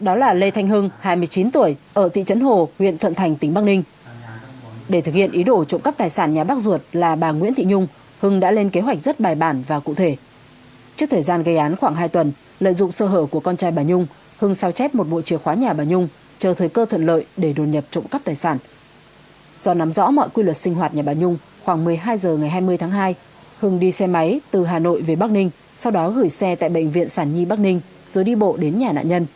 do nắm rõ mọi quy luật sinh hoạt nhà bà nhung khoảng một mươi hai h ngày hai mươi tháng hai hưng đi xe máy từ hà nội về bắc ninh sau đó gửi xe tại bệnh viện sản nhi bắc ninh rồi đi bộ đến nhà nạn nhân